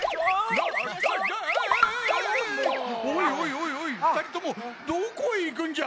おいおいおいおいふたりともどこへいくんじゃ？